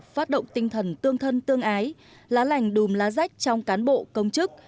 phát động tinh thần tương thân tương ái lá lành đùm lá rách trong cán bộ công chức